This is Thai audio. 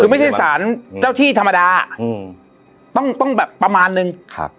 คือไม่ใช่สารเจ้าที่ธรรมดาอืมต้องต้องแบบประมาณนึงครับ